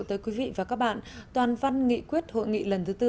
tới quý vị và các bạn toàn văn nghị quyết hội nghị lần thứ tư